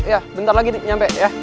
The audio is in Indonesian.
ya bentar lagi nyampe ya